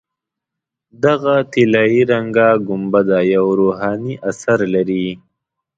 دغه طلایي رنګه ګنبده یو روحاني اثر لري.